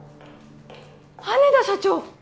羽田社長！？